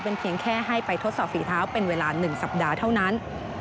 เป็นเพียงแค่ให้ไปทดสอบฝีเท้าเป็นเวลา๑สัปดาห์เท่านั้น